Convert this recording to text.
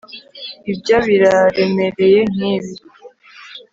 ibyo biraremereye nkibi